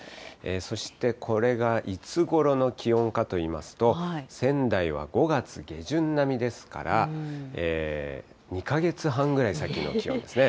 そしてこれがいつごろの気温かといいますと、仙台は５月下旬並みですから、２か月半ぐらい先の気温ですね。